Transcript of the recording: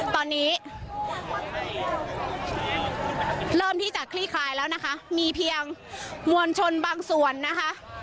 ตอนนี้เริ่มที่จะคลี่คลายแล้วนะคะมีเพียงมวลชนบางส่วนนะคะ